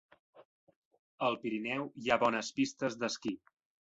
Al Pirineu hi ha bones pistes d'esquí.